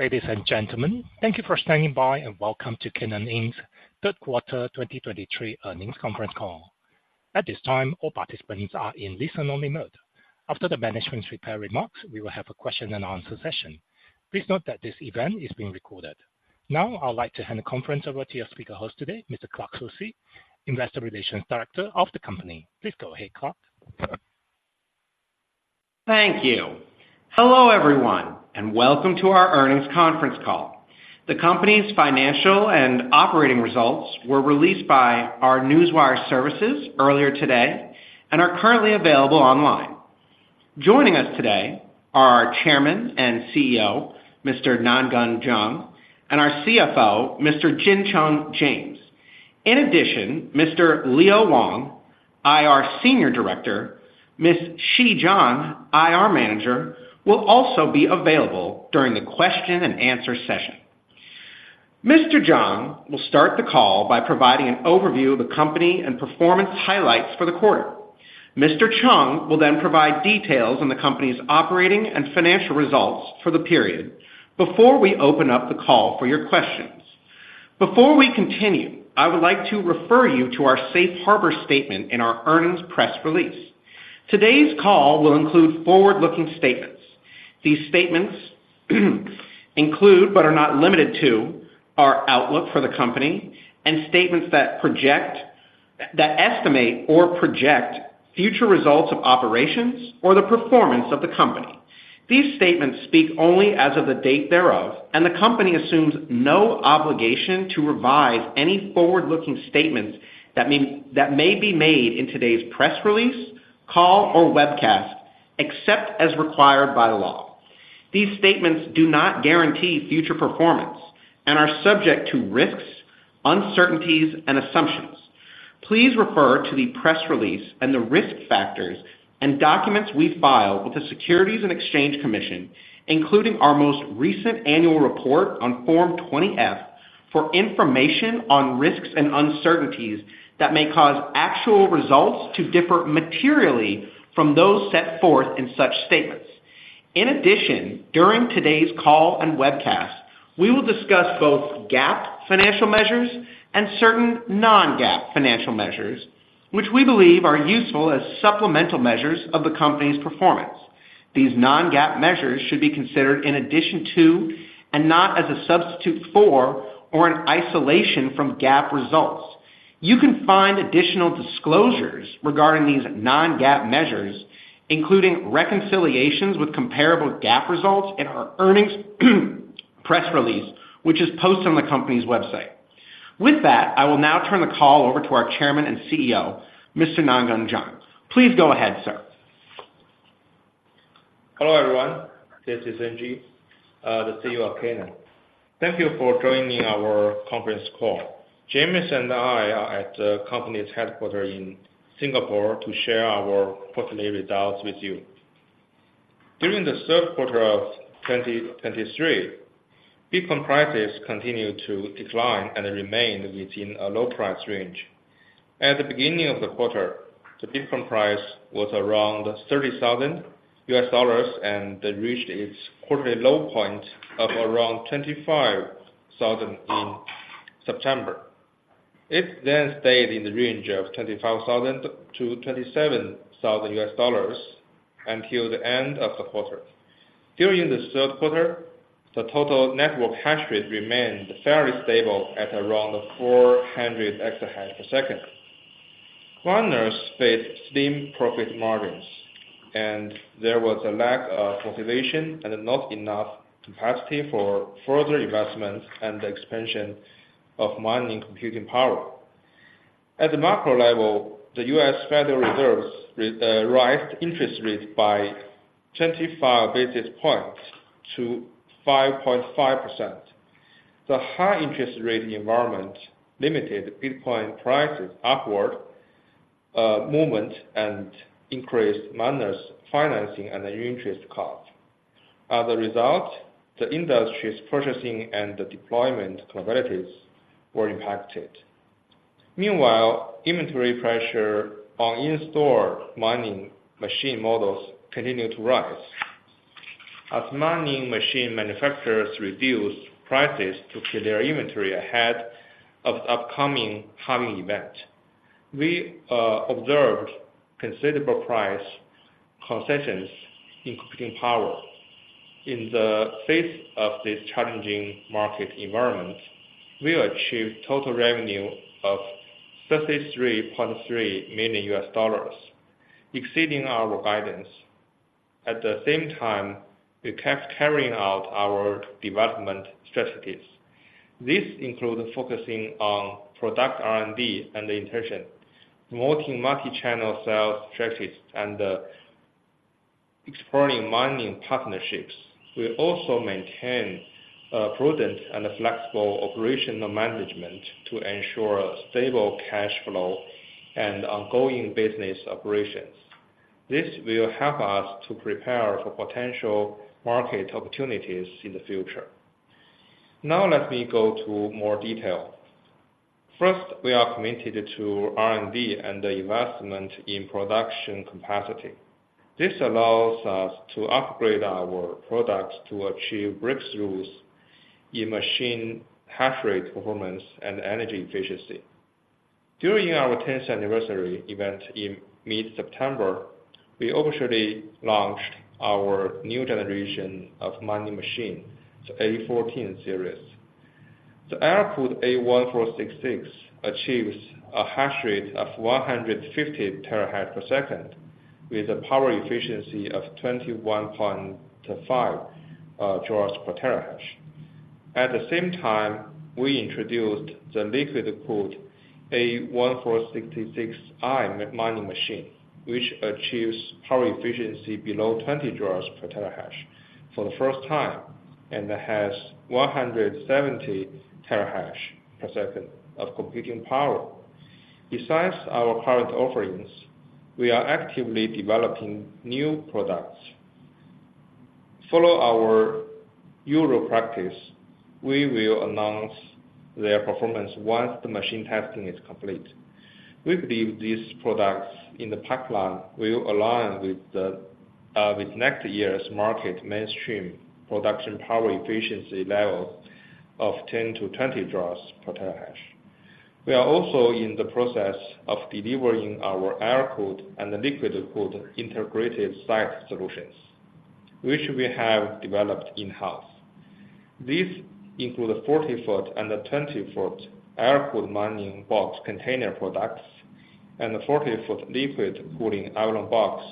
Ladies and gentlemen, thank you for standing by, and welcome to Canaan Inc.'s third quarter 2023 earnings conference call. At this time, all participants are in listen-only mode. After the management's prepared remarks, we will have a question and answer session. Please note that this event is being recorded. Now, I would like to hand the conference over to your speaker host today, Mr. Clark S. Soucy, Investor Relations Director of the company. Please go ahead, Clark. Thank you. Hello, everyone, and welcome to our earnings conference call. The company's financial and operating results were released by our Newswire Services earlier today and are currently available online. Joining us today are our Chairman and CEO, Mr. Nangeng Zhang, and our CFO, Mr. James Jin Cheng. In addition, Mr. Leo Wang, IR Senior Director, Ms. Xi Zhang, IR Manager, will also be available during the question and answer session. Mr. Zhang will start the call by providing an overview of the company and performance highlights for the quarter. Mr. Cheng will then provide details on the company's operating and financial results for the period before we open up the call for your questions. Before we continue, I would like to refer you to our safe harbor statement in our earnings press release. Today's call will include forward-looking statements. These statements include, but are not limited to, our outlook for the company and statements that estimate or project future results of operations or the performance of the company. These statements speak only as of the date thereof, and the company assumes no obligation to revise any forward-looking statements that may be made in today's press release, call, or webcast, except as required by law. These statements do not guarantee future performance and are subject to risks, uncertainties, and assumptions. Please refer to the press release and the risk factors and documents we file with the Securities and Exchange Commission, including our most recent annual report on Form 20-F, for information on risks and uncertainties that may cause actual results to differ materially from those set forth in such statements. In addition, during today's call and webcast, we will discuss both GAAP financial measures and certain non-GAAP financial measures, which we believe are useful as supplemental measures of the company's performance. These non-GAAP measures should be considered in addition to, and not as a substitute for, or an isolation from GAAP results. You can find additional disclosures regarding these non-GAAP measures, including reconciliations with comparable GAAP results in our earnings press release, which is posted on the company's website. With that, I will now turn the call over to our chairman and CEO, Mr. Nangeng Zhang. Please go ahead, sir. Hello, everyone, this is NG, the CEO of Canaan. Thank you for joining our conference call. James and I are at the company's headquarters in Singapore to share our quarterly results with you. During the third quarter of 2023, Bitcoin prices continued to decline and remained within a low price range. At the beginning of the quarter, the Bitcoin price was around $30,000 and it reached its quarterly low point of around $25,000 in September. It then stayed in the range of $25,000-$27,000 until the end of the quarter. During the third quarter, the total network hash rate remained fairly stable at around 400 EH/s. Miners faced slim profit margins, and there was a lack of motivation and not enough capacity for further investment and expansion of mining computing power. At the macro level, the U.S. Federal Reserve raised interest rates by 25 basis points to 5.5%. The high interest rate environment limited Bitcoin prices' upward movement and increased miners' financing and interest costs. As a result, the industry's purchasing and the deployment capabilities were impacted. Meanwhile, inventory pressure on in-store mining machine models continued to rise. As mining machine manufacturers reduced prices to clear their inventory ahead of the upcoming halving event, we observed considerable price concessions in computing power. In the face of this challenging market environment, we achieved total revenue of $33.3 million, exceeding our guidance. At the same time, we kept carrying out our development strategies. This includes focusing on product R&D and iteration, promoting multi-channel sales strategies, and exploring mining partnerships. We also maintain prudent and flexible operational management to ensure stable cash flow and ongoing business operations. This will help us to prepare for potential market opportunities in the future. Now, let me go to more detail. First, we are committed to R&D and the investment in production capacity. This allows us to upgrade our products to achieve breakthroughs in machine hash rate performance and energy efficiency. During our tenth anniversary event in mid-September, we officially launched our new generation of mining machine, the A14 series. The air-cooled A1466 achieves a hash rate of 150 TH/s, with a power efficiency of 21.5 J/TH. At the same time, we introduced the liquid-cooled A1466I mining machine, which achieves power efficiency below 20 J/TH for the first time, and has 170 TH/s of computing power. Besides our current offerings, we are actively developing new products. Follow our usual practice, we will announce their performance once the machine testing is complete. We believe these products in the pipeline will align with the with next year's market mainstream production power efficiency level of 10-20 J/TH. We are also in the process of delivering our air-cooled and liquid-cooled integrated site solutions, which we have developed in-house. These include a 40-foot and a 20-foot air-cooled mining box container products, and a 40-foot liquid cooling iron box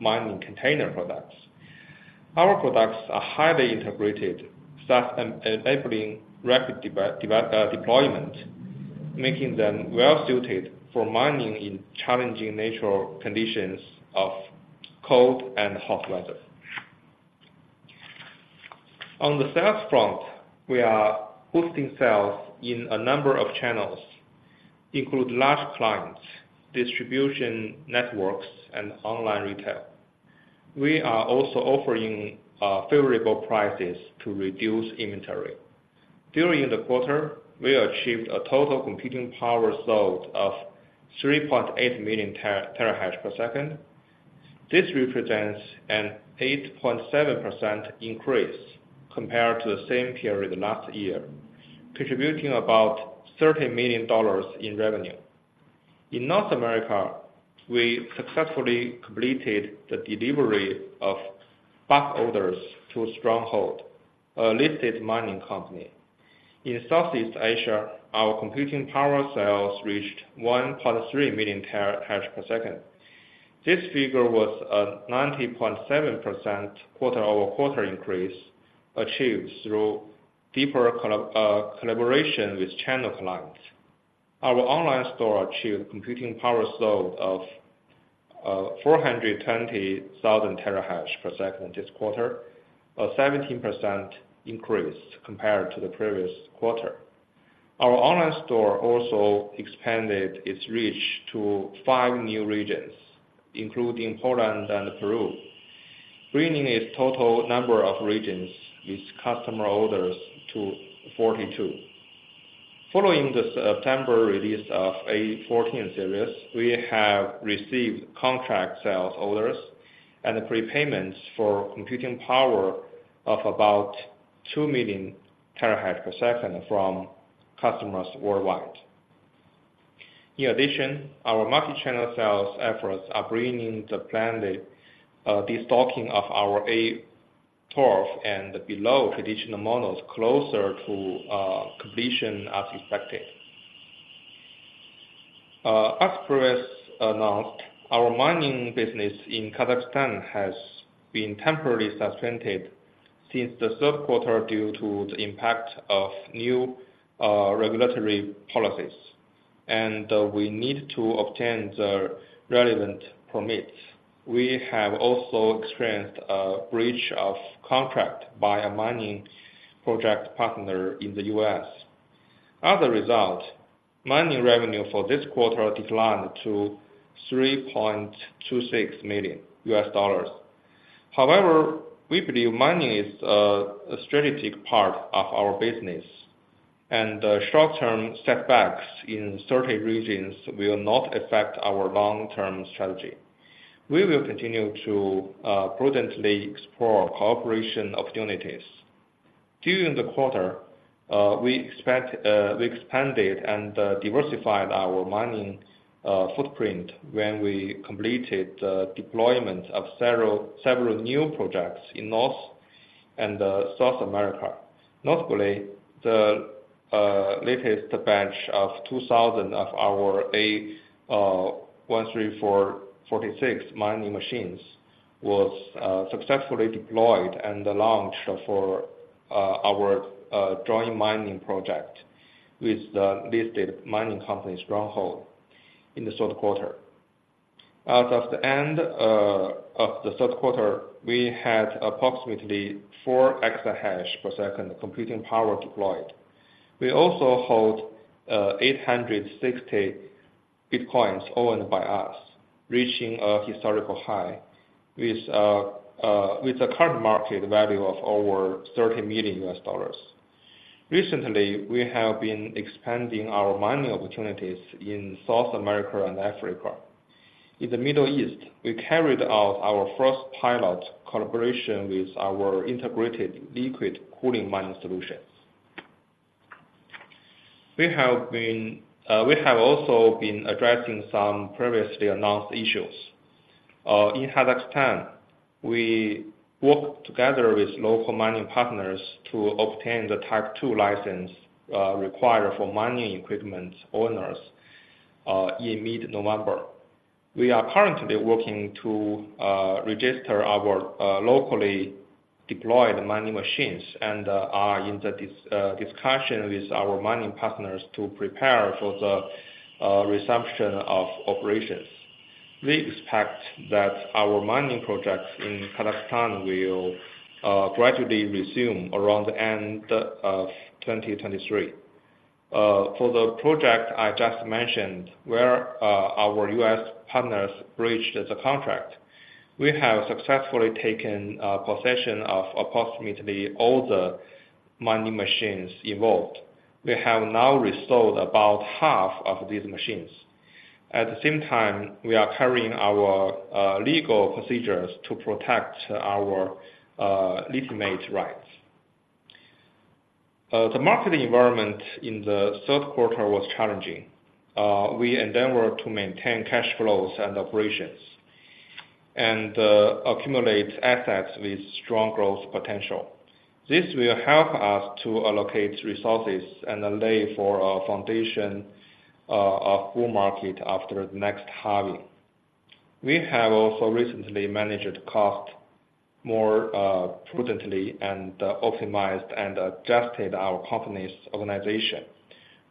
mining container products. Our products are highly integrated, thus enabling rapid deployment, making them well suited for mining in challenging natural conditions of cold and hot weather. On the sales front, we are boosting sales in a number of channels, including large clients, distribution networks, and online retail. We are also offering favorable prices to reduce inventory. During the quarter, we achieved a total computing power sold of 3.8 million terahash per second. This represents an 8.7% increase compared to the same period last year, contributing about $30 million in revenue. In North America, we successfully completed the delivery of back orders to Stronghold, a listed mining company. In Southeast Asia, our computing power sales reached 1.3 million terahash per second. This figure was a 90.7% quarter-over-quarter increase, achieved through deeper collaboration with channel clients. Our online store achieved computing power sold of 420,000 TH/s this quarter, a 17% increase compared to the previous quarter. Our online store also expanded its reach to five new regions, including Poland and Peru, bringing its total number of regions with customer orders to 42. Following the September release of A14 series, we have received contract sales orders and prepayments for computing power of about 2 million TH/s from customers worldwide. In addition, our multi-channel sales efforts are bringing the planned destocking of our A12 and below traditional models closer to completion as expected. As previously announced, our mining business in Kazakhstan has been temporarily suspended since the third quarter due to the impact of new regulatory policies, and we need to obtain the relevant permits. We have also experienced a breach of contract by a mining project partner in the U.S. As a result, mining revenue for this quarter declined to $3.26 million. However, we believe mining is a strategic part of our business, and short-term setbacks in certain regions will not affect our long-term strategy. We will continue to prudently explore cooperation opportunities. During the quarter, we expanded and diversified our mining footprint when we completed the deployment of several new projects in North and South America. Notably, the latest batch of 2,000 of our A1346 mining machines was successfully deployed and launched for our joint mining project with the listed mining company, Stronghold, in the third quarter. As of the end of the third quarter, we had approximately 4 EH/s computing power deployed. We also hold 860 Bitcoins owned by us, reaching a historical high with a current market value of over $30 million. Recently, we have been expanding our mining opportunities in South America and Africa. In the Middle East, we carried out our first pilot collaboration with our integrated liquid cooling mining solutions. We have also been addressing some previously announced issues. In Kazakhstan, we worked together with local mining partners to obtain the Type 2 license required for mining equipment owners in mid-November. We are currently working to register our locally deployed mining machines and are in the discussion with our mining partners to prepare for the resumption of operations. We expect that our mining projects in Kazakhstan will gradually resume around the end of 2023. For the project I just mentioned, where our U.S. partners breached the contract, we have successfully taken possession of approximately all the mining machines involved. We have now restored about half of these machines. At the same time, we are carrying out legal procedures to protect our legitimate rights. The market environment in the third quarter was challenging. We endeavored to maintain cash flows and operations, and accumulate assets with strong growth potential. This will help us to allocate resources and lay for a foundation of bull market after the next halving. We have also recently managed cost more prudently and optimized and adjusted our company's organization.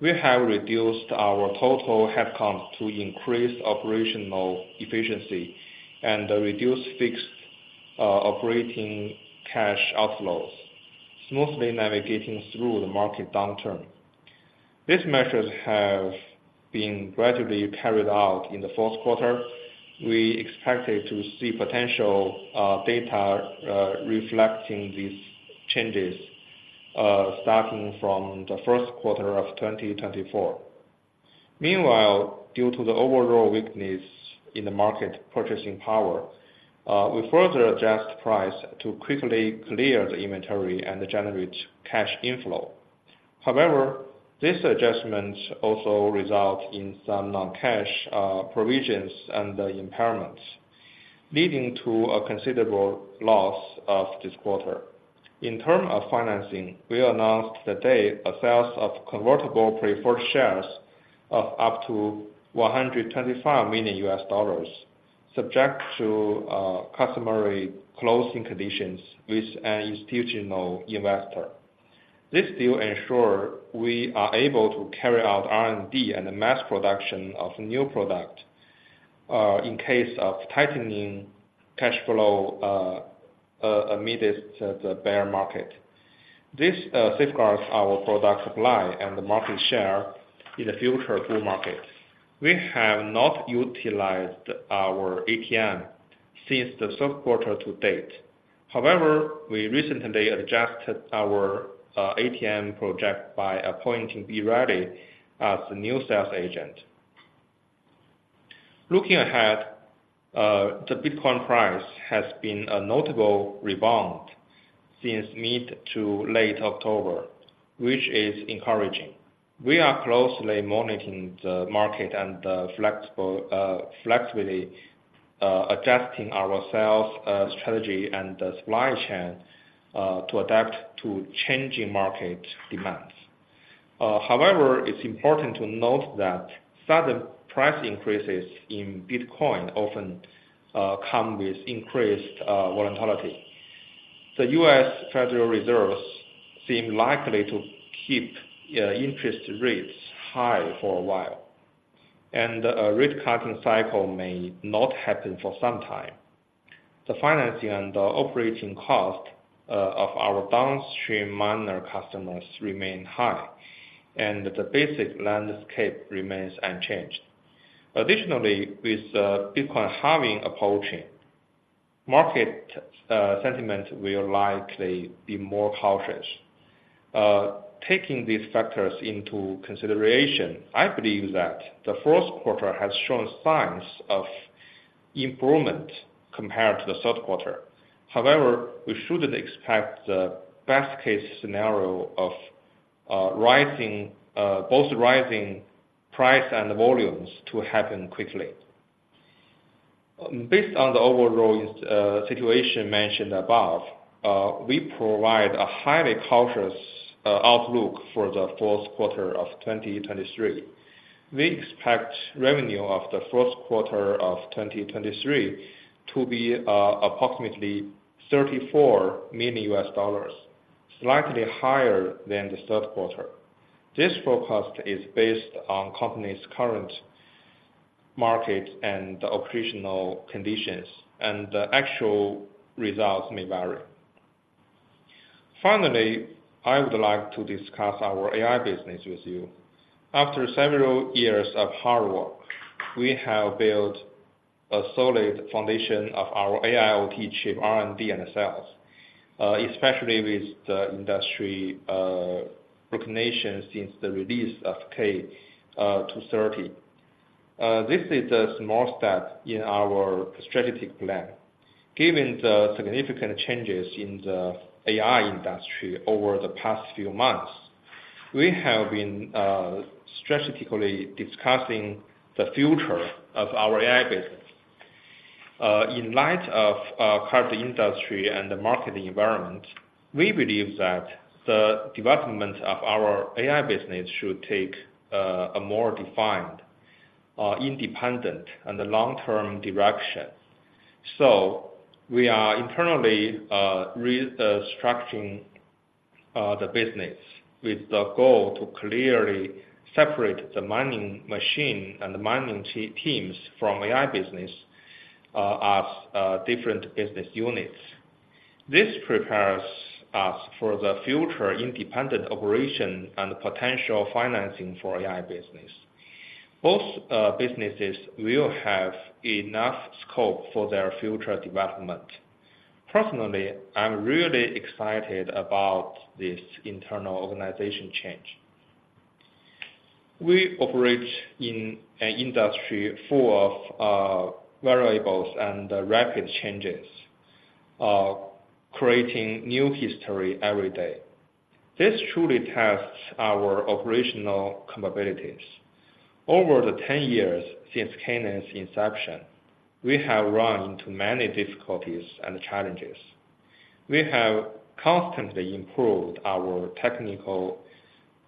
We have reduced our total headcounts to increase operational efficiency and reduce fixed operating cash outflows, smoothly navigating through the market downturn. These measures have been gradually carried out in the fourth quarter. We expected to see potential data reflecting these changes starting from the first quarter of 2024. Meanwhile, due to the overall weakness in the market purchasing power, we further adjust price to quickly clear the inventory and generate cash inflow. However, this adjustment also result in some non-cash provisions and impairments, leading to a considerable loss of this quarter. In terms of financing, we announced today a sale of convertible preferred shares of up to $125 million, subject to customary closing conditions with an institutional investor. This deal ensure we are able to carry out R&D and the mass production of new product in case of tightening cash flow amidst the bear market. This safeguards our product supply and the market share in the future bull market. We have not utilized our ATM since the third quarter to date. However, we recently adjusted our ATM project by appointing B. Riley as the new sales agent. Looking ahead, the Bitcoin price has been a notable rebound since mid to late October, which is encouraging. We are closely monitoring the market and flexibly adjusting our sales strategy and the supply chain to adapt to changing market demands. However, it's important to note that sudden price increases in Bitcoin often come with increased volatility. The U.S. Federal Reserve seems likely to keep interest rates high for a while, and rate cutting cycle may not happen for some time. The financing and the operating cost of our downstream miner customers remain high, and the basic landscape remains unchanged. Additionally, with the Bitcoin halving approaching, market sentiment will likely be more cautious. Taking these factors into consideration, I believe that the fourth quarter has shown signs of improvement compared to the third quarter. However, we shouldn't expect the best case scenario of rising both rising price and volumes to happen quickly. Based on the overall situation mentioned above, we provide a highly cautious outlook for the fourth quarter of 2023. We expect revenue of the first quarter of 2023 to be approximately $34 million, slightly higher than the third quarter. This forecast is based on company's current market and operational conditions, and the actual results may vary.... Finally, I would like to discuss our AI business with you. After several years of hard work, we have built a solid foundation of our AIoT chip, R&D, and sales, especially with the industry recognition since the release of K230. This is a small step in our strategic plan. Given the significant changes in the AI industry over the past few months, we have been strategically discussing the future of our AI business. In light of current industry and the market environment, we believe that the development of our AI business should take a more defined, independent, and a long-term direction. We are internally restructuring the business with the goal to clearly separate the mining machine and the mining teams from AI business as different business units. This prepares us for the future independent operation and potential financing for AI business. Both businesses will have enough scope for their future development. Personally, I'm really excited about this internal organization change. We operate in an industry full of variables and rapid changes, creating new history every day. This truly tests our operational capabilities. Over the 10 years since Canaan's inception, we have run into many difficulties and challenges. We have constantly improved our technical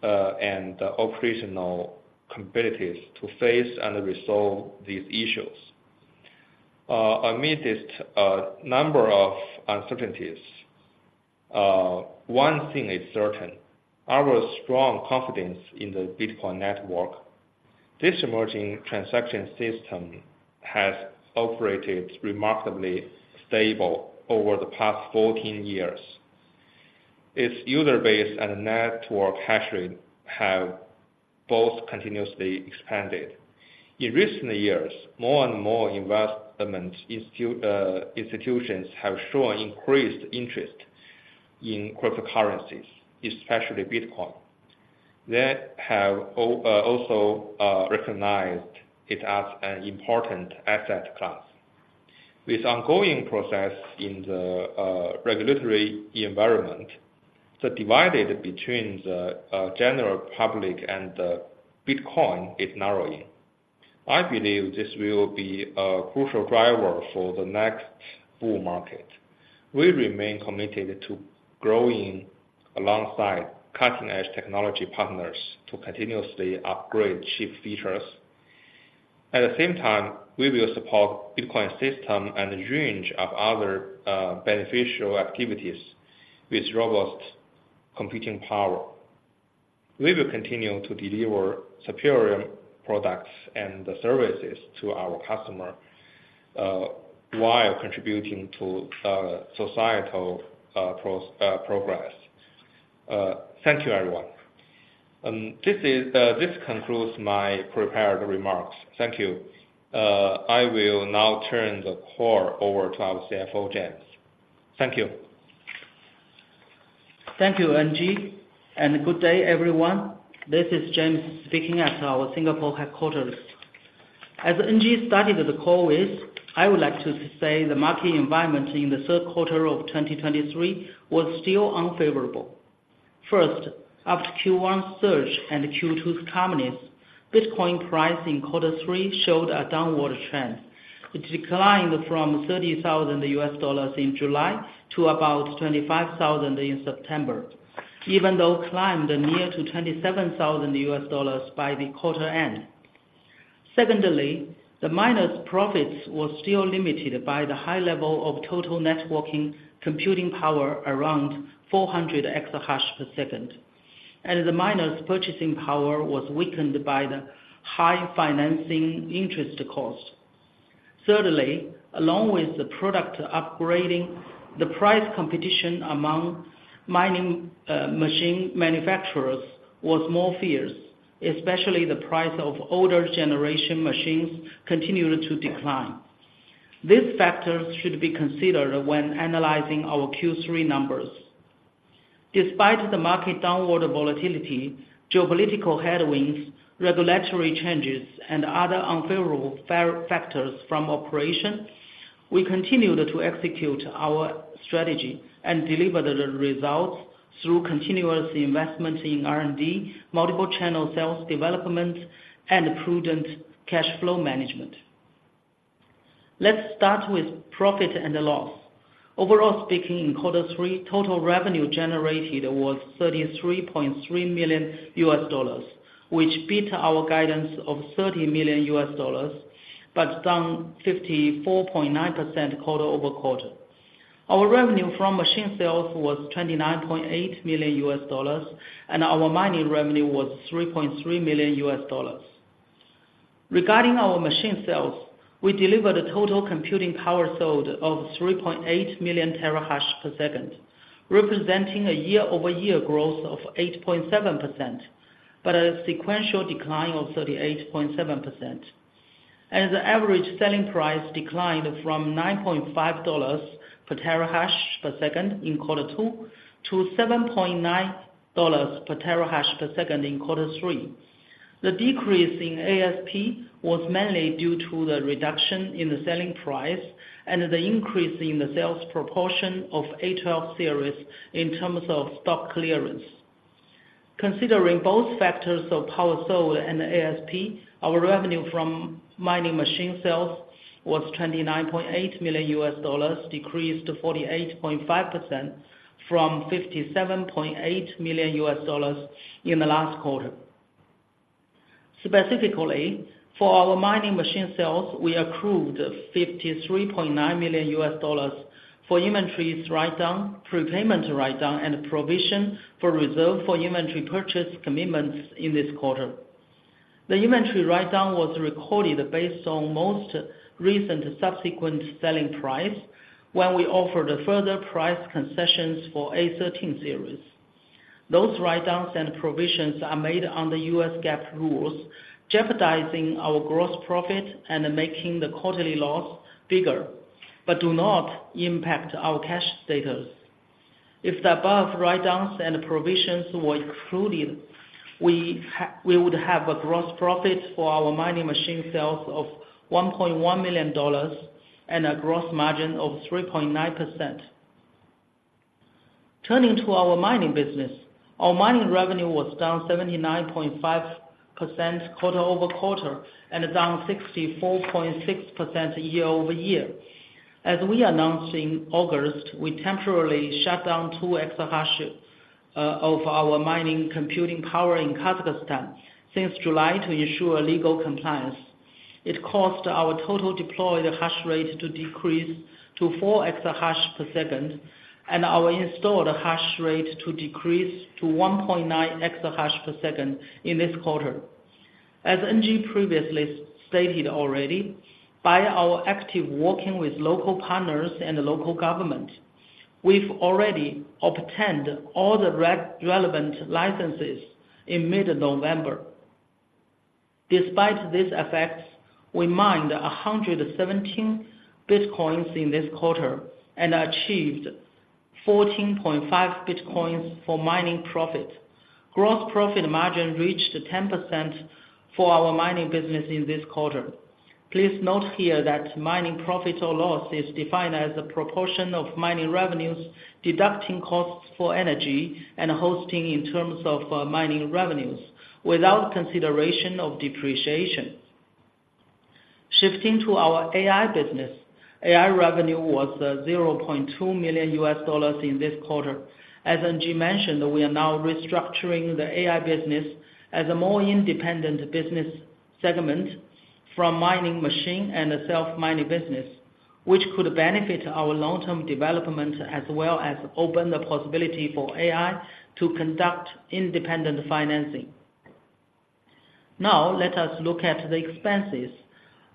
and operational capabilities to face and resolve these issues. Amid this, a number of uncertainties, one thing is certain, our strong confidence in the Bitcoin network. This emerging transaction system has operated remarkably stable over the past 14 years. Its user base and network hash rate have both continuously expanded. In recent years, more and more investment institutions have shown increased interest in cryptocurrencies, especially Bitcoin. They have also recognized it as an important asset class. With ongoing progress in the regulatory environment, the divide between the general public and the Bitcoin is narrowing. I believe this will be a crucial driver for the next bull market. We remain committed to growing alongside cutting-edge technology partners to continuously upgrade chip features. At the same time, we will support Bitcoin system and a range of other, beneficial activities with robust computing power. We will continue to deliver superior products and the services to our customer, while contributing to, societal, progress. Thank you, everyone. This is, this concludes my prepared remarks. Thank you. I will now turn the call over to our CFO, James. Thank you. Thank you, NG. Good day, everyone. This is James, speaking at our Singapore headquarters. As NG started the call with, I would like to say the market environment in the third quarter of 2023 was still unfavorable. First, after Q1's surge and Q2's calmness, Bitcoin price in quarter three showed a downward trend. It declined from $30,000 in July to about $25,000 in September, even though climbed near to $27,000 by the quarter end. Secondly, the miners' profits were still limited by the high level of total networking computing power around 400 EH/s, and the miners' purchasing power was weakened by the high financing interest cost. Thirdly, along with the product upgrading, the price competition among mining machine manufacturers was more fierce, especially the price of older generation machines continued to decline. These factors should be considered when analyzing our Q3 numbers. Despite the market downward volatility, geopolitical headwinds, regulatory changes, and other unfavorable factors from operation, we continued to execute our strategy and delivered the results through continuous investment in R&D, multiple channel sales development, and prudent cash flow management. Let's start with profit and loss. Overall speaking, in quarter three, total revenue generated was $33.3 million, which beat our guidance of $30 million, but down 54.9% quarter-over-quarter. Our revenue from machine sales was $29.8 million, and our mining revenue was $3.3 million.... Regarding our machine sales, we delivered a total computing power sold of 3.8 million TH/s, representing a year-over-year growth of 8.7%, but a sequential decline of 38.7%. The average selling price declined from $9.5 per terahash per second in quarter two to $7.9 per terahash per second in quarter three. The decrease in ASP was mainly due to the reduction in the selling price and the increase in the sales proportion of A12 series in terms of stock clearance. Considering both factors of power sold and ASP, our revenue from mining machine sales was $29.8 million, decreased 48.5% from $57.8 million in the last quarter. Specifically, for our mining machine sales, we accrued $53.9 million for inventories write-down, prepayment write-down, and provision for reserve for inventory purchase commitments in this quarter. The inventory write-down was recorded based on most recent subsequent selling price, when we offered further price concessions for A13 series. Those write-downs and provisions are made under U.S. GAAP rules, jeopardizing our gross profit and making the quarterly loss bigger, but do not impact our cash status. If the above write-downs and provisions were excluded, we would have a gross profit for our mining machine sales of $1.1 million and a gross margin of 3.9%. Turning to our mining business, our mining revenue was down 79.5% quarter-over-quarter and down 64.6% year-over-year. As we announced in August, we temporarily shut down 2 Exahash of our mining computing power in Kazakhstan since July to ensure legal compliance. It caused our total deployed hash rate to decrease to 4 Exahash per second, and our installed hash rate to decrease to 1.9 Exahash per second in this quarter. As NG previously stated already, by our active working with local partners and the local government, we've already obtained all the relevant licenses in mid-November. Despite these effects, we mined 117 bitcoins in this quarter and achieved 14.5 bitcoins for mining profit. Gross profit margin reached 10% for our mining business in this quarter. Please note here that mining profit or loss is defined as a proportion of mining revenues, deducting costs for energy and hosting in terms of mining revenues without consideration of depreciation. Shifting to our AI business. AI revenue was $0.2 million in this quarter. As NG mentioned, we are now restructuring the AI business as a more independent business segment from mining machine and the self-mining business, which could benefit our long-term development as well as open the possibility for AI to conduct independent financing. Now, let us look at the expenses.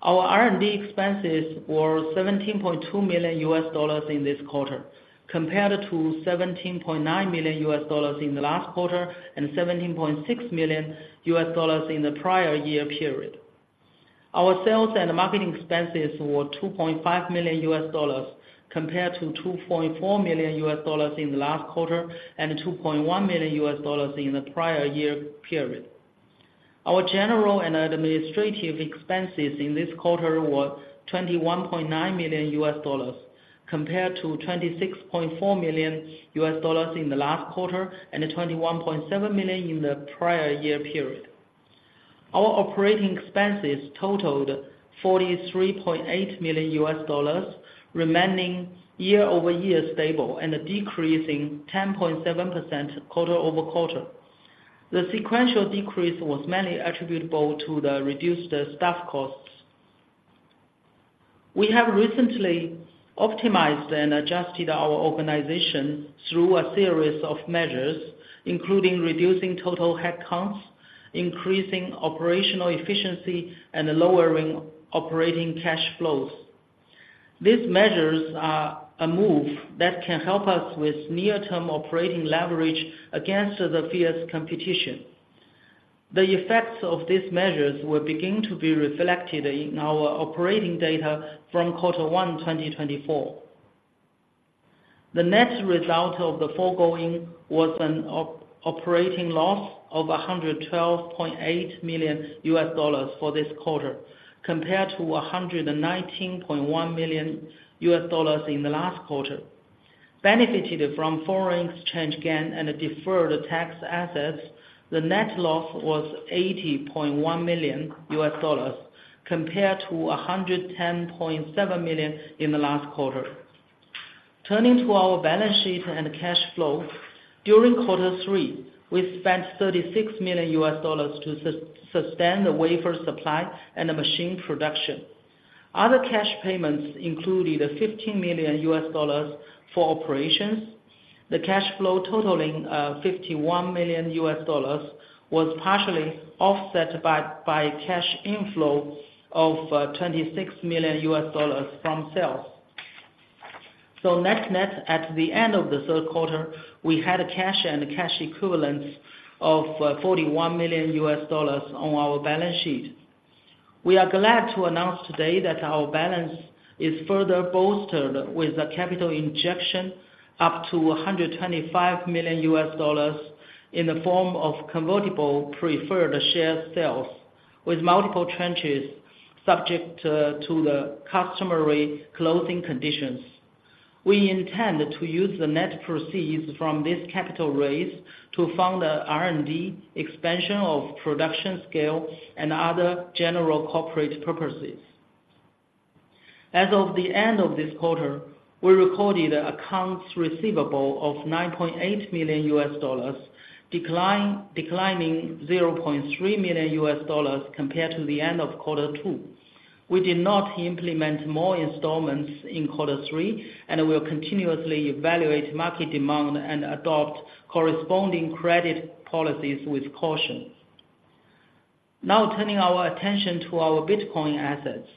Our R&D expenses were $17.2 million in this quarter, compared to $17.9 million in the last quarter, and $17.6 million in the prior year period. Our sales and marketing expenses were $2.5 million, compared to $2.4 million in the last quarter, and $2.1 million in the prior year period. Our general and administrative expenses in this quarter were $21.9 million, compared to $26.4 million in the last quarter, and $21.7 million in the prior year period. Our operating expenses totaled $43.8 million, remaining year-over-year stable and decreasing 10.7% quarter-over-quarter. The sequential decrease was mainly attributable to the reduced staff costs. We have recently optimized and adjusted our organization through a series of measures, including reducing total headcounts, increasing operational efficiency, and lowering operating cash flows. These measures are a move that can help us with near-term operating leverage against the fierce competition. The effects of these measures will begin to be reflected in our operating data from quarter one, 2024. The net result of the foregoing was an operating loss of $112.8 million for this quarter, compared to $119.1 million in the last quarter. Benefited from foreign exchange gain and deferred tax assets, the net loss was $80.1 million, compared to $110.7 million in the last quarter. Turning to our balance sheet and cash flow, during quarter three, we spent $36 million to sustain the wafer supply and the machine production. Other cash payments included $15 million for operations. The cash flow totaling $51 million was partially offset by cash inflow of $26 million from sales. So net, net, at the end of the third quarter, we had cash and cash equivalents of $41 million on our balance sheet. We are glad to announce today that our balance is further bolstered with a capital injection up to $125 million in the form of convertible preferred share sales, with multiple tranches subject to the customary closing conditions. We intend to use the net proceeds from this capital raise to fund the R&D expansion of production scale and other general corporate purposes. As of the end of this quarter, we recorded accounts receivable of $9.8 million, declining $0.3 million compared to the end of quarter two. We did not implement more installments in quarter three, and we will continuously evaluate market demand and adopt corresponding credit policies with caution. Now, turning our attention to our Bitcoin assets.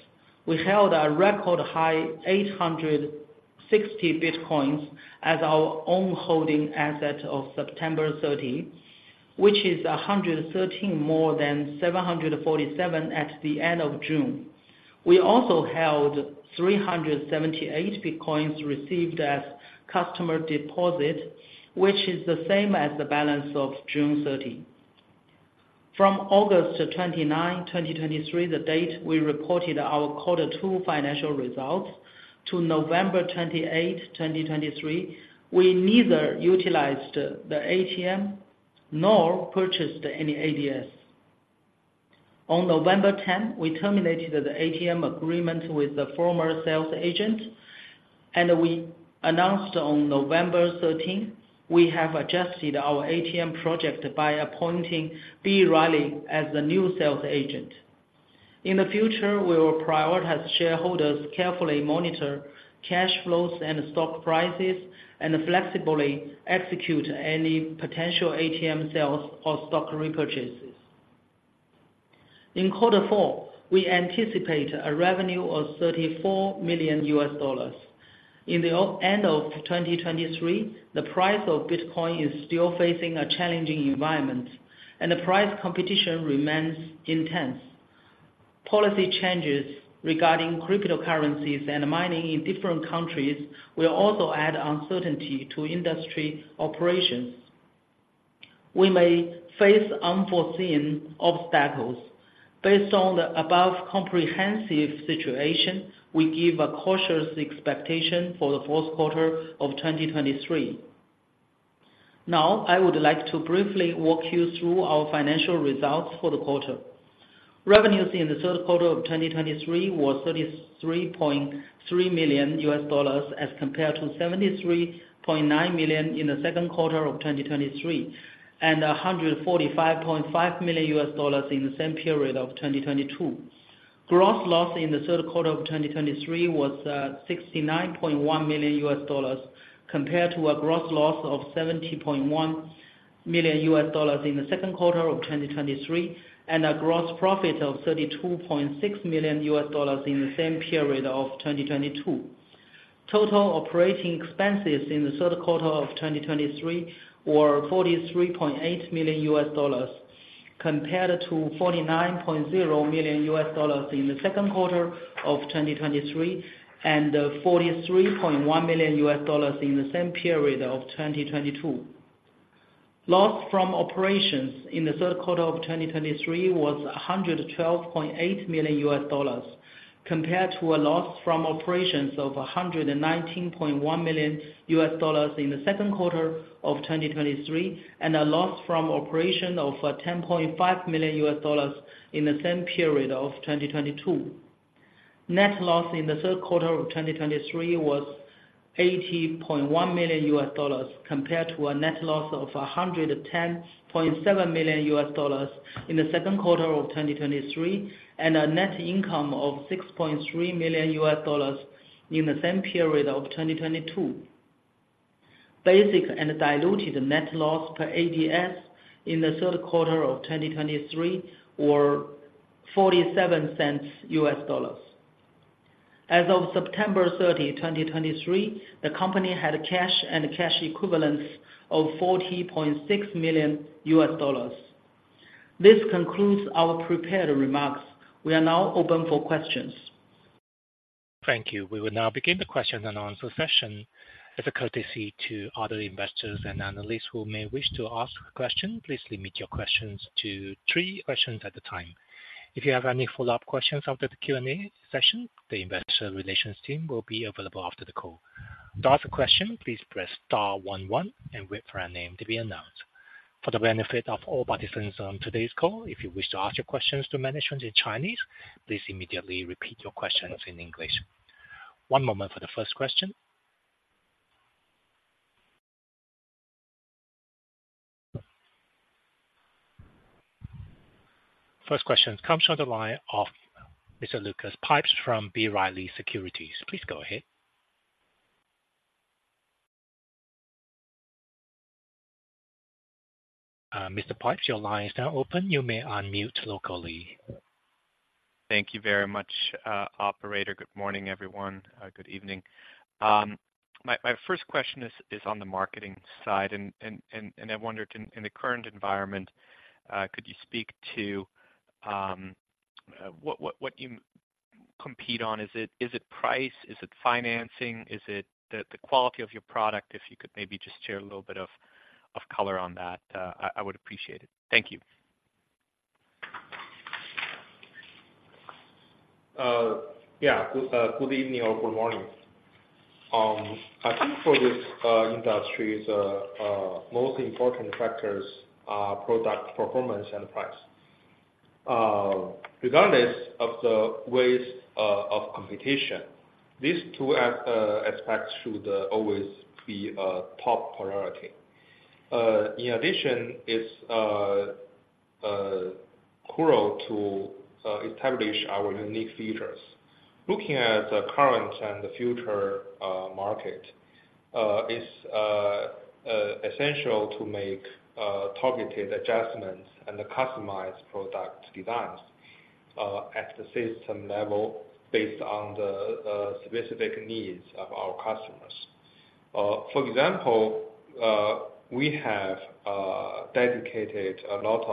We held a record high, 860 Bitcoins as our own holding asset of September 30, which is 113 more than 747 at the end of June. We also held 378 Bitcoins received as customer deposit, which is the same as the balance of June 30. From August 29, 2023, the date we reported our quarter two financial results to November 28, 2023, we neither utilized the ATM nor purchased any ADS. On November 10, we terminated the ATM agreement with the former sales agent, and we announced on November 13, we have adjusted our ATM project by appointing B. Riley as the new sales agent. In the future, we will prioritize shareholders, carefully monitor cash flows and stock prices, and flexibly execute any potential ATM sales or stock repurchases. In quarter four, we anticipate a revenue of $34 million. In the end of 2023, the price of Bitcoin is still facing a challenging environment, and the price competition remains intense. Policy changes regarding cryptocurrencies and mining in different countries will also add uncertainty to industry operations. We may face unforeseen obstacles. Based on the above comprehensive situation, we give a cautious expectation for the fourth quarter of 2023. Now, I would like to briefly walk you through our financial results for the quarter. Revenues in the third quarter of 2023 were $33.3 million, as compared to $73.9 million in the second quarter of 2023, and $145.5 million in the same period of 2022. Gross loss in the third quarter of 2023 was $69.1 million, compared to a gross loss of $70.1 million in the second quarter of 2023, and a gross profit of $32.6 million in the same period of 2022. Total operating expenses in the third quarter of 2023 were $43.8 million, compared to $49.0 million in the second quarter of 2023, and $43.1 million in the same period of 2022. Loss from operations in the third quarter of 2023 was $112.8 million, compared to a loss from operations of $119.1 million in the second quarter of 2023, and a loss from operation of ten point five million US dollars in the same period of 2022. Net loss in the third quarter of 2023 was $80.1 million, compared to a net loss of $110.7 million in the second quarter of 2023, and a net income of $6.3 million in the same period of 2022. Basic and diluted net loss per ADS in the third quarter of 2023 were $0.47. As of September 30, 2023, the company had cash and cash equivalents of $40.6 million. This concludes our prepared remarks. We are now open for questions. Thank you. We will now begin the question and answer session. As a courtesy to other investors and analysts who may wish to ask a question, please limit your questions to three questions at a time. If you have any follow-up questions after the Q&A session, the investor relations team will be available after the call. To ask a question, please press star one, one and wait for your name to be announced. For the benefit of all participants on today's call, if you wish to ask your questions to management in Chinese, please immediately repeat your questions in English. One moment for the first question. First question comes from the line of Mr. Lucas Pipes from B. Riley Securities. Please go ahead. Mr. Pipes, your line is now open. You may unmute locally. Thank you very much, operator. Good morning, everyone. Good evening. My first question is on the marketing side, and I wondered in the current environment, could you speak to what you compete on? Is it price? Is it financing? Is it the quality of your product? If you could maybe just share a little bit of color on that, I would appreciate it. Thank you. Yeah. Good evening or good morning. I think for this industry, the most important factors are product performance and price. Regardless of the ways of competition, these two aspects should always be a top priority. In addition, it's crucial to establish our unique features. Looking at the current and the future market is essential to make targeted adjustments and customized product designs at the system level based on the specific needs of our customers. For example, we have dedicated a lot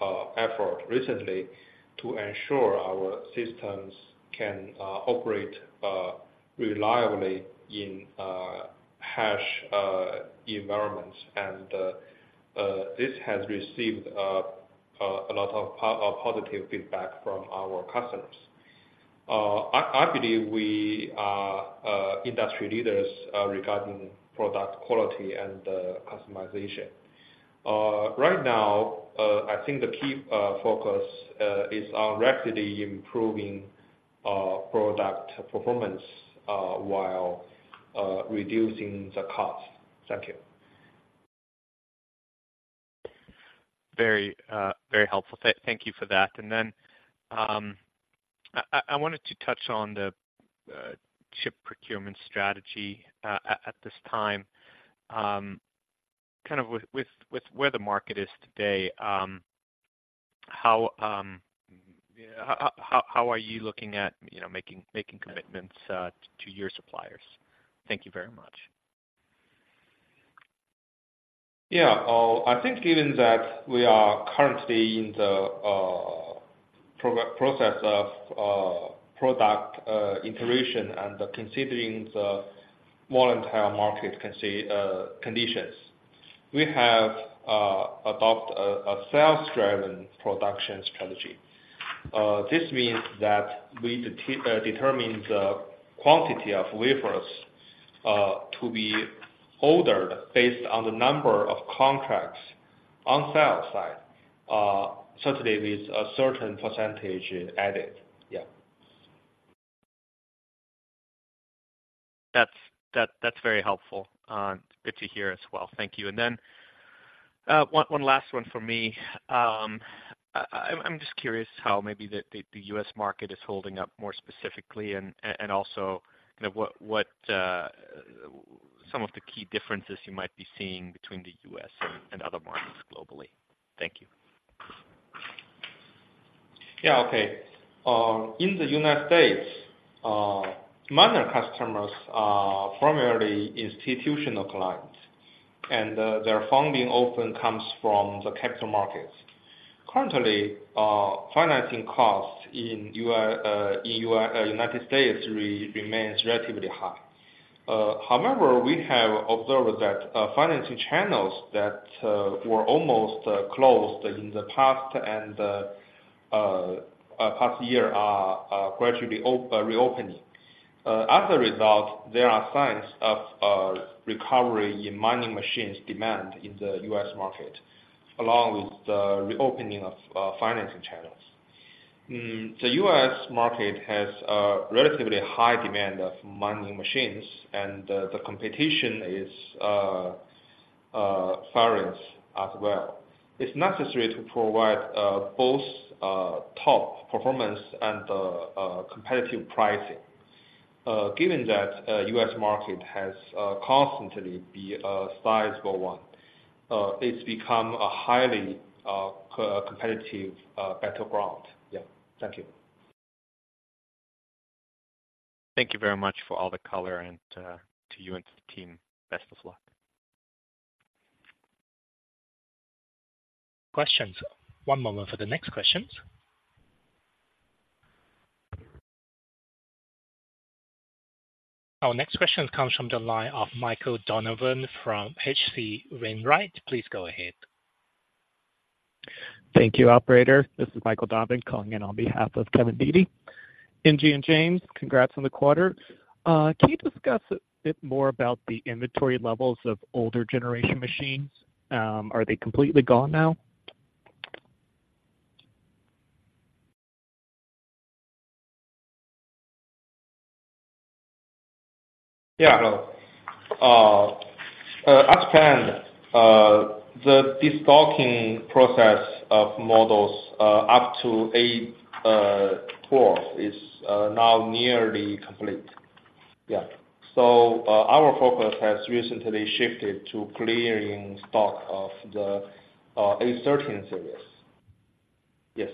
of effort recently to ensure our systems can operate reliably in harsh environments. This has received a lot of positive feedback from our customers. I believe we are industry leaders regarding product quality and customization. Right now, I think the key focus is on rapidly improving product performance while reducing the cost. Thank you. Very, very helpful. Thank you for that. And then, I wanted to touch on the chip procurement strategy at this time. Kind of with where the market is today, how are you looking at, you know, making commitments to your suppliers? Thank you very much. Yeah. I think given that we are currently in the process of product iteration and considering the volatile market conditions, we have adopt a sales-driven production strategy. This means that we determine the quantity of wafers to be ordered based on the number of contracts on sale side, certainly with a certain percentage added. Yeah. That's very helpful. Good to hear as well. Thank you. And then, one last one for me. I'm just curious how maybe the U.S. market is holding up more specifically and also, you know, what some of the key differences you might be seeing between the U.S. and other markets globally? Thank you. Yeah, okay. In the United States, miner customers are primarily institutional clients, and their funding often comes from the capital markets. Currently, financing costs in the U.S. remains relatively high. However, we have observed that financing channels that were almost closed in the past year are gradually reopening. As a result, there are signs of recovery in mining machines demand in the U.S. market, along with the reopening of financing channels. The U.S. market has a relatively high demand of mining machines, and the competition is fierce as well. It's necessary to provide both top performance and competitive pricing. Given that, U.S. market has constantly be a sizable one, it's become a highly competitive battleground. Yeah. Thank you. Thank you very much for all the color, and to you and to the team, best of luck. Questions. One moment for the next questions. Our next question comes from the line of Michael Donovan from H.C. Wainwright. Please go ahead. Thank you, operator. This is Mike Colonnese coming in on behalf of Kevin Dede. NG and James, congrats on the quarter. Can you discuss a bit more about the inventory levels of older generation machines? Are they completely gone now?... Yeah, hello. Currently, the destocking process of models up to A12 is now nearly complete. Yeah. So, our focus has recently shifted to clearing stock of the A13 series. Yes.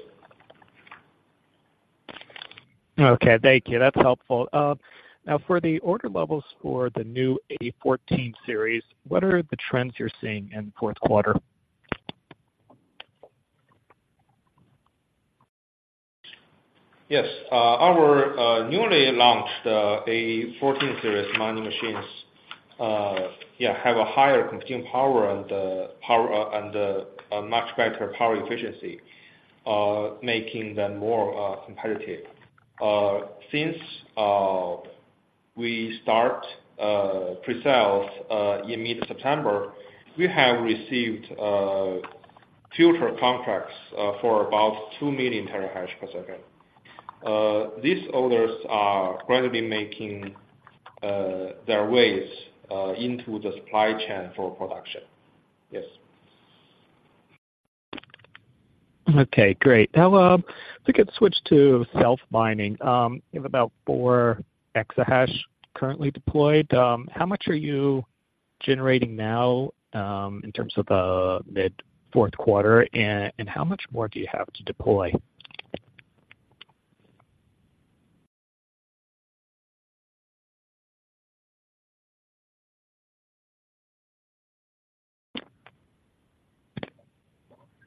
Okay, thank you. That's helpful. Now, for the order levels for the new A14 series, what are the trends you're seeing in the fourth quarter? Yes. Our newly launched A14 series mining machines, yeah, have a higher computing power and power and a much better power efficiency, making them more competitive. Since we start pre-sales in mid-September, we have received future contracts for about 2 million TH/s. These orders are currently making their ways into the supply chain for production. Yes. Okay, great. Now, if we could switch to self mining. You have about 4 exahash currently deployed. How much are you generating now, in terms of the mid fourth quarter, and, and how much more do you have to deploy?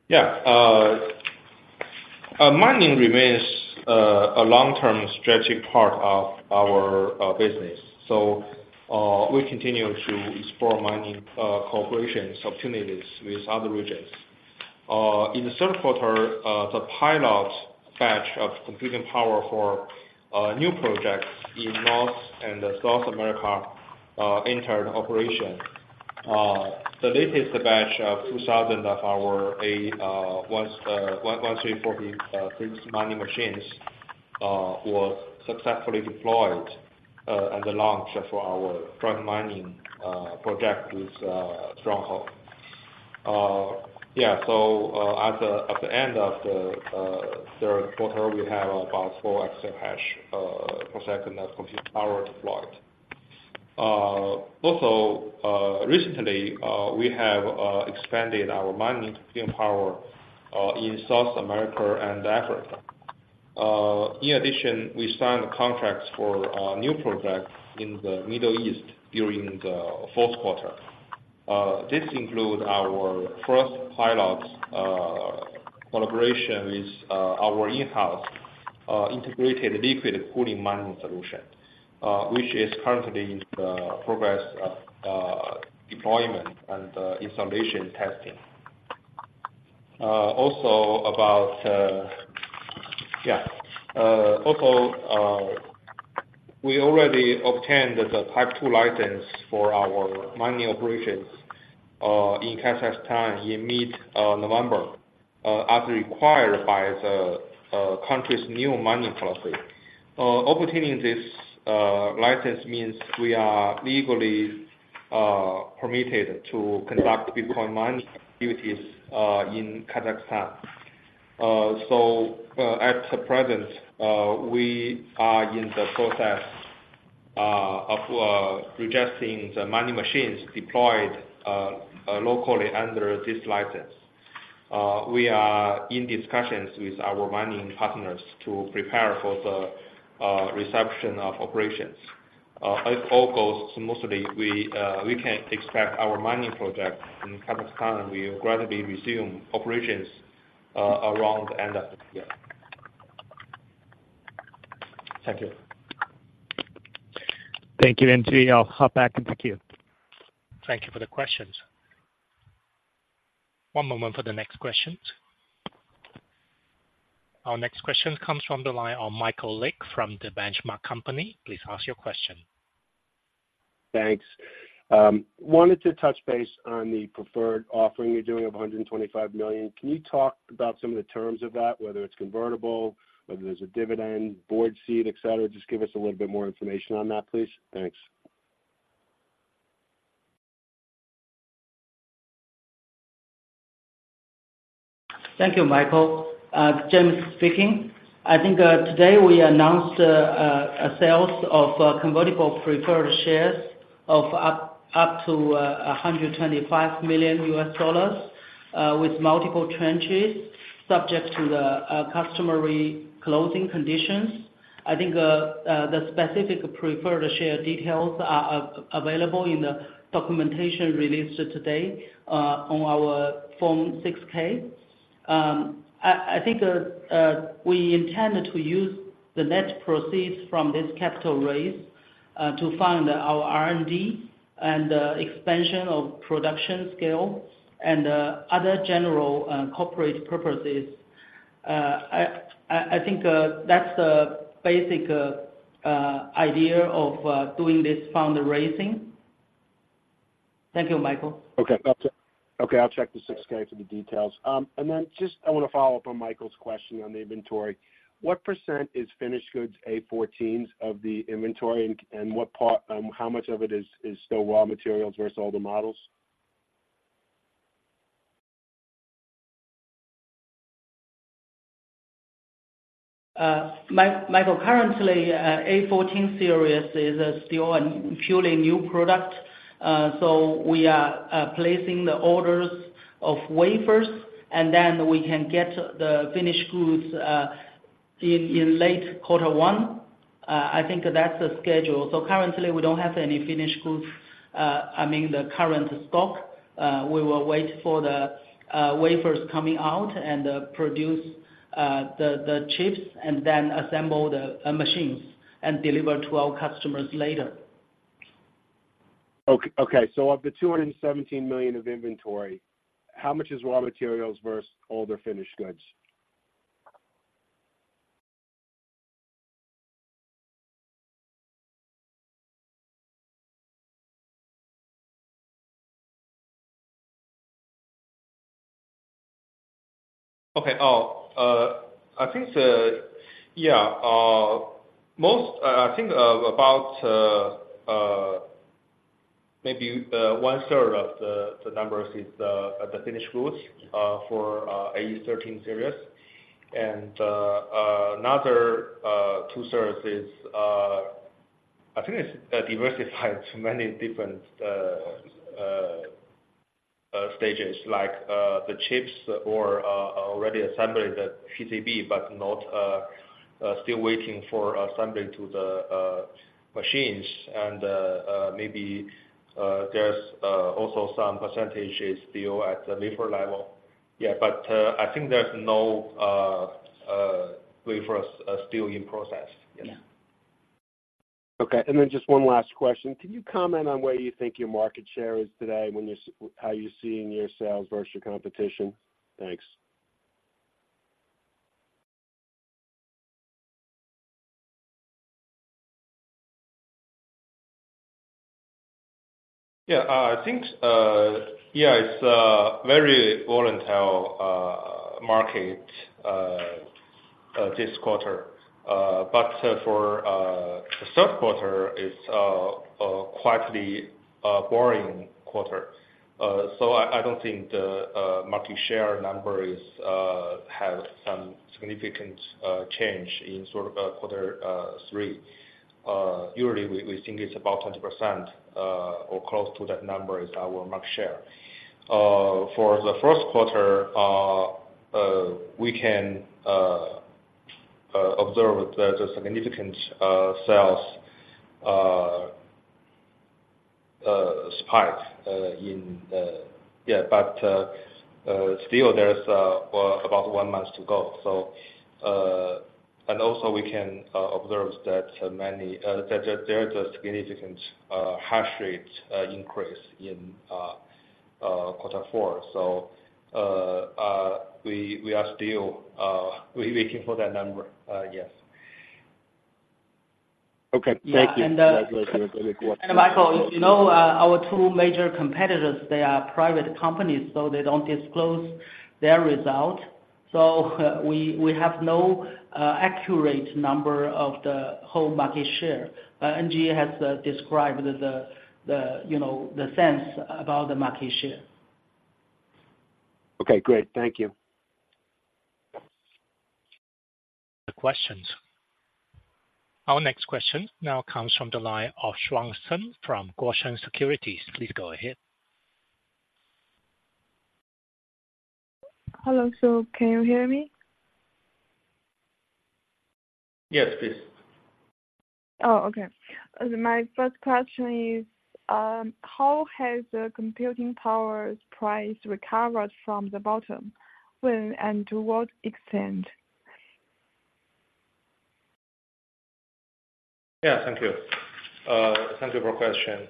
Yeah. Mining remains a long-term strategic part of our business, so we continue to explore mining cooperation opportunities with other regions. In the third quarter, the pilot batch of computing power for new projects in North and South America entered operation. The latest batch of 2,000 of our A1346 mining machines was successfully deployed and launched for our joint mining project with Stronghold. Yeah, so at the end of the third quarter, we have about 4 exahash per second of computing power deployed. Also, recently, we have expanded our mining computing power in South America and Africa. In addition, we signed contracts for a new project in the Middle East during the fourth quarter. This include our first pilot collaboration with our in-house integrated liquid cooling mining solution, which is currently in the progress of deployment and installation testing. Also about, yeah. Also, we already obtained the Type 2 license for our mining operations in Kazakhstan in mid-November, as required by the country's new mining policy. Obtaining this license means we are legally permitted to conduct Bitcoin mining duties in Kazakhstan. So, at present, we are in the process of registering the mining machines deployed locally under this license. We are in discussions with our mining partners to prepare for the reception of operations. If all goes smoothly, we can expect our mining project in Kazakhstan will gradually resume operations around the end of the year. Thank you. Thank you, NG. I'll hop back into queue. Thank you for the questions. One moment for the next questions. Our next question comes from the line of Michael Legg from The Benchmark Company. Please ask your question. Thanks. Wanted to touch base on the preferred offering you're doing of $125 million. Can you talk about some of the terms of that, whether it's convertible, whether there's a dividend, board seat, et cetera? Just give us a little bit more information on that, please. Thanks. Thank you, Michael. James speaking. I think today we announced a sales of convertible preferred shares of up to $125 million with multiple tranches subject to the customary closing conditions. I think the specific preferred share details are available in the documentation released today on our Form 6-K. I think we intend to use the net proceeds from this capital raise to fund our R&D and expansion of production scale and other general corporate purposes. I think that's the basic idea of doing this fundraising.... Thank you, Michael. Okay, that's it. Okay, I'll check the 6-K for the details. And then just I want to follow up on Michael's question on the inventory. What percent is finished goods A14s of the inventory, and what part, how much of it is still raw materials versus all the models? Michael, currently, A14 series is still a purely new product. So we are placing the orders of wafers, and then we can get the finished goods in late quarter one. I think that's the schedule. So currently, we don't have any finished goods, I mean, the current stock. We will wait for the wafers coming out and produce the chips and then assemble the machines and deliver to our customers later. Okay. So of the $217 million of inventory, how much is raw materials versus all the finished goods? Okay. Oh, I think... Yeah, most, I think, about maybe one third of the numbers is the finished goods for the A13 series. And another two-thirds is, I think it's diversified to many different stages, like the chips or already assembled the PCB, but not still waiting for assembling to the machines. And maybe there's also some percentage still at the wafer level. Yeah, but I think there's no wafers still in process. Yeah. Okay, and then just one last question. Can you comment on where you think your market share is today, how you're seeing your sales versus your competition? Thanks. Yeah, I think, yeah, it's a very volatile market this quarter. But for the third quarter is a quietly boring quarter. So I don't think the market share number is have some significant change in sort of quarter three. Usually, we think it's about 20% or close to that number is our market share. For the first quarter, we can observe the significant sales spike in... Yeah, but still there's about one month to go, so. And also we can observe that there's a significant hash rate increase in quarter four. We are still waiting for that number, yes. Okay, thank you. Yeah, and-... Michael, you know, our two major competitors, they are private companies, so they don't disclose their result. So we have no accurate number of the whole market share. But NG has described the, you know, the sense about the market share. Okay, great. Thank you. Questions. Our next question now comes from the line of Shuang Sun from Guosheng Securities. Please go ahead. Hello, can you hear me? Yes, please. Oh, okay. My first question is, how has the computing power price recovered from the bottom, when and to what extent? Yeah, thank you. Thank you for question.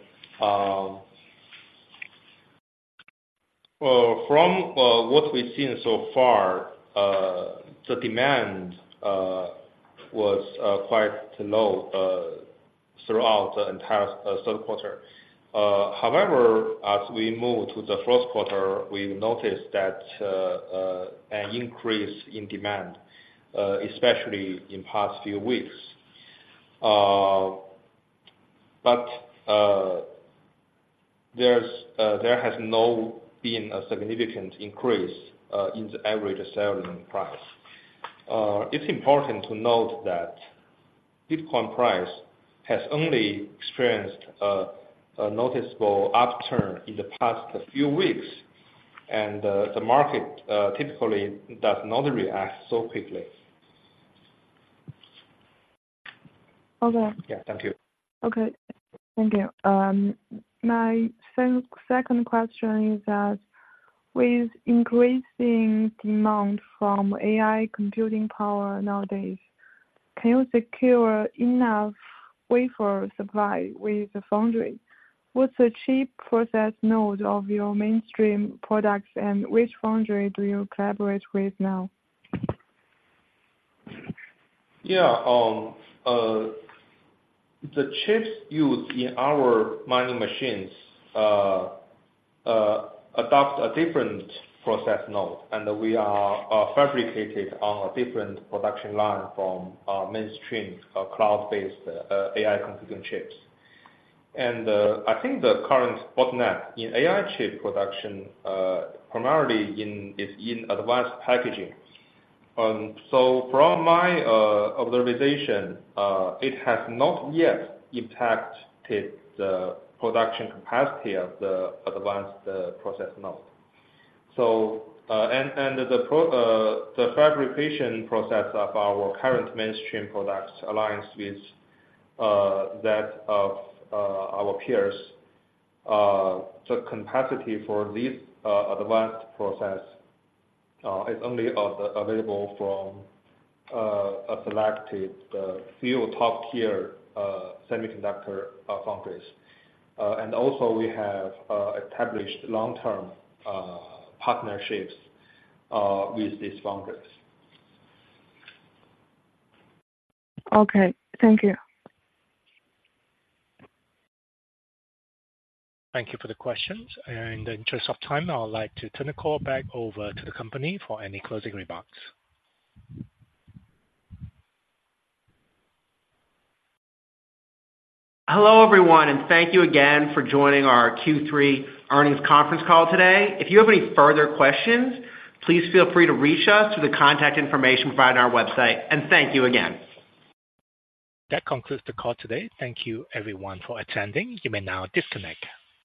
Well, from what we've seen so far, the demand was quite low throughout the entire third quarter. However, as we move to the first quarter, we noticed that an increase in demand, especially in the past few weeks. But there has not been a significant increase in the average selling price. It's important to note that Bitcoin price has only experienced a noticeable upturn in the past few weeks, and the market typically does not react so quickly. Okay. Yeah. Thank you. Okay. Thank you. My second, second question is that, with increasing demand from AI computing power nowadays, can you secure enough wafer supply with the foundry? What's the cheap process node of your mainstream products, and which foundry do you collaborate with now? Yeah, the chips used in our mining machines adopt a different process node, and we are fabricated on a different production line from mainstream cloud-based AI computing chips. And, I think the current bottleneck in AI chip production primarily. It's in advanced packaging. So from my observation, it has not yet impacted the production capacity of the advanced process node. So, and the fabrication process of our current mainstream products aligns with that of our peers. The capacity for this advanced process is only available from a selected few top-tier semiconductor foundries. And also, we have established long-term partnerships with these foundries. Okay. Thank you. Thank you for the questions. In the interest of time, I would like to turn the call back over to the company for any closing remarks. Hello, everyone, and thank you again for joining our Q3 earnings conference call today. If you have any further questions, please feel free to reach us through the contact information provided on our website. Thank you again. That concludes the call today. Thank you everyone for attending. You may now disconnect.